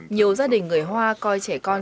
nhiều gia đình người hoa coi trẻ con